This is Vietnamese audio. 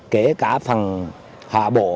kể cả phần hạ bộ